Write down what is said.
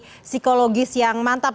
jadi psikologis yang mantap